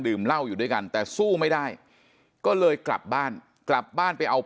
เหล้าอยู่ด้วยกันแต่สู้ไม่ได้ก็เลยกลับบ้านกลับบ้านไปเอา